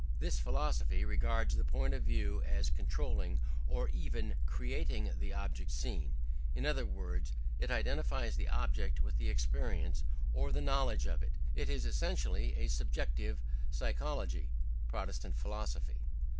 This philosophy regards the point of view as controlling or even creating the object seen; in other words, it identifies the object with the experience or the knowledge of it: it is essentially a subjective, psychological, Protestant philosophy.